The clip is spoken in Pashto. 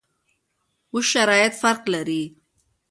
اوس شرایط فرق لري.